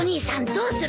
どうする？